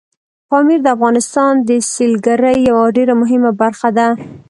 پامیر د افغانستان د سیلګرۍ یوه ډېره مهمه برخه ده.